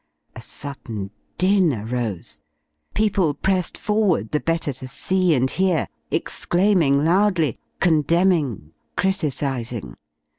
A sudden din arose. People pressed forward, the better to see and hear, exclaiming loudly, condemning, criticising.